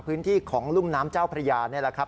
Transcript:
พื้นที่ของรุ่มน้ำเจ้าพระยานี่แหละครับ